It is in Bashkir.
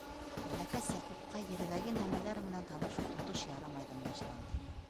Бәләкәс Яҡупҡа ерҙәге нәмәләр менән танышыу тотош «ярамай»ҙан башланды.